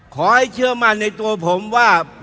ขอให้เชื่อมั่นในตัวผมว่า